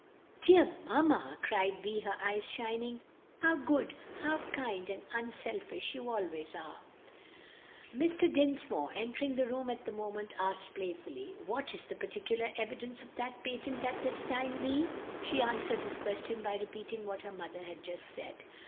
"Dear mamma!" cried Vi, her eyes shining, "how good, how kind, and unselfish you always are!" Mr. Dinsmore, entering the room at the moment, asked playfully, "What is the particular evidence of that patent at this time, Vi?" She answered his question by repeating what her mother had just said.